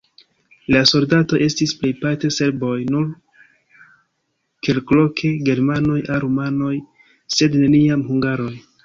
La soldatoj estis plejparte serboj, nur kelkloke germanoj aŭ rumanoj, sed neniam hungaroj.